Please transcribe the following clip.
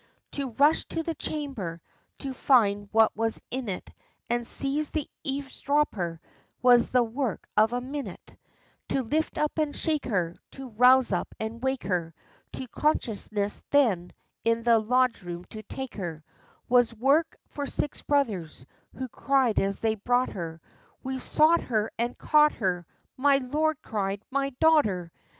To rush to the chamber to find what was in it And seize the eavesdropper was the work of a minute; To lift up and shake her, To rouse up and wake her To consciousness then in the Lodge room to take her, Was work for six brothers, who cried as they brought her, 'We've sought her and caught her!' My lord cried, 'My daughter!'